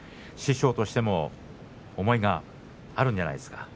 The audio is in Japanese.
師匠としても思いがあるんじゃないですか。